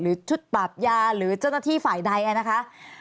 ชุดปราบยาหรือเจ้าหน้าที่ฝ่ายใดนะคะ